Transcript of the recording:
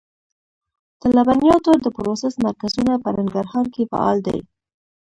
د لبنیاتو د پروسس مرکزونه په ننګرهار کې فعال دي.